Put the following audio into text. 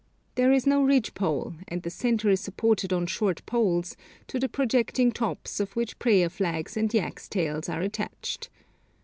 There is no ridge pole, and the centre is supported on short poles, to the projecting tops of which prayer flags and yaks' tails are attached.